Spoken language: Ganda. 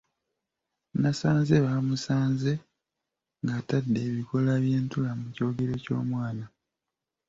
Nasanze baamusanze ng’atadde ebikoola by’entula mu kyogero ky’omwana.